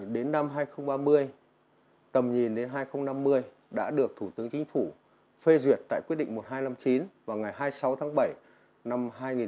đến năm hai nghìn ba mươi tầm nhìn đến hai nghìn năm mươi đã được thủ tướng chính phủ phê duyệt tại quyết định một nghìn hai trăm năm mươi chín vào ngày hai mươi sáu tháng bảy năm hai nghìn một mươi năm